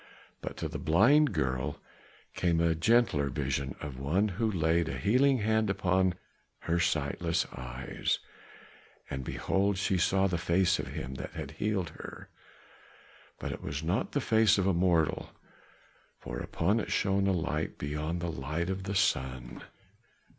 But to the blind girl came a gentler vision of one who laid a healing hand upon her sightless eyes, and behold! she saw the face of him that had healed her, but it was not the face of a mortal, for upon it shone a light beyond the light of the sun.